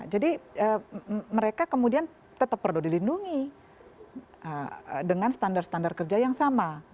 jadi mereka kemudian tetap perlu dilindungi dengan standar standar kerja yang sama